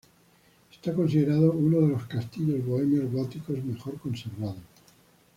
Está considerado uno de los castillos bohemios góticos mejor conservados.